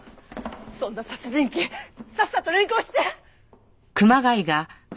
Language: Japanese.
そんな殺人鬼さっさと連行して！